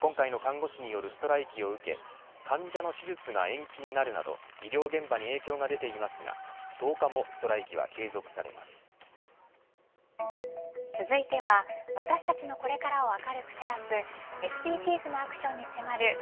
今回の看護師によるストライキを受け患者の手術が延期になるなど医療現場に影響が出ていますが１０日もストライキは続いては私たちのこれからを明るく照らすＳＤＧｓなアクションに迫る＃